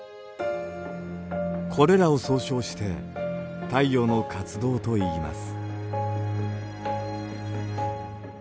これらを総称して太陽の活動といいます。